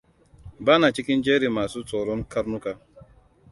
Bana cikin jerin masu tsoron karnuka.